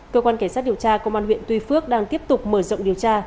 cơ quan cảnh sát điều tra công an huyện tuy phước đang tiếp tục mở rộng điều tra